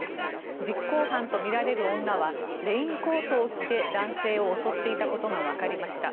実行犯とみられる女はレインコートを着て男性を襲っていたことがわかりました。